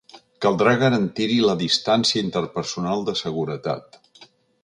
Caldrà garantir-hi la distància interpersonal de seguretat.